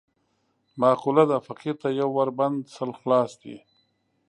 معقوله ده: فقیر ته یو ور بند، سل خلاص دي.